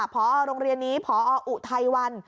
พอโรงเรียนนี้พออุทัยวัน